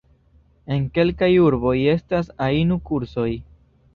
En kelkaj urboj estas ainu-kursoj.